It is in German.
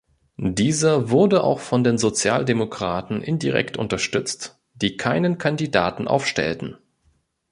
Dieser wurde auch von den Sozialdemokraten indirekt unterstützt, die keinen Kandidaten aufstellten.